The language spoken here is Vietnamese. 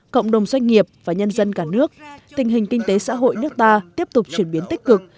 cộng đồng doanh nghiệp và nhân dân cả nước tình hình kinh tế xã hội nước ta tiếp tục chuyển biến tích cực